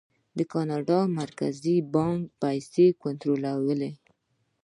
د کاناډا مرکزي بانک پیسې کنټرولوي.